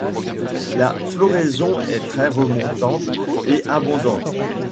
La floraison est très remontante et abondante.